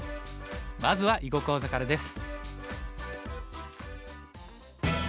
まずは囲碁講座からです。